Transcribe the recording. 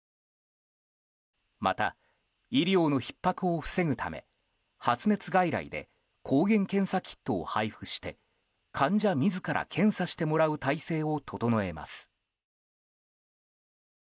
また、医療のひっ迫を防ぐため発熱外来で抗原検査キットを配布して患者自ら検査してもらう体制を整えます。